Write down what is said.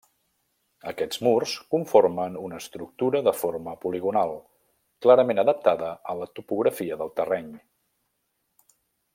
Aquests murs conformen una estructura de forma poligonal, clarament adaptada a la topografia del terreny.